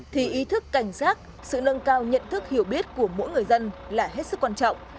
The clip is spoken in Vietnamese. thì ý thức cảnh giác sự nâng cao nhận thức hiểu biết của mỗi người dân là hết sức quan trọng